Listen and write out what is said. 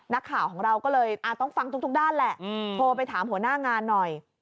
นักข่าวของเราก็เลยต้องฟังทุกด้านแหละโทรไปถามหัวหน้างานหน่อย